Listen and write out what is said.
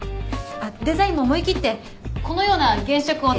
あっデザインも思い切ってこのような原色を。